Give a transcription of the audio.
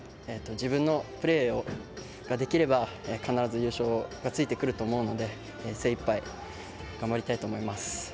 自分のプレーができれば必ず優勝がついてくると思うので精いっぱい頑張りたいと思います。